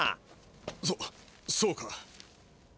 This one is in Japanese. そそうか。